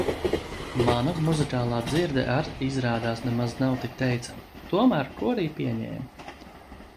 Mana muzikālā dzirde ar izrādās nemaz nav tik teicama, tomēr korī pieņēma.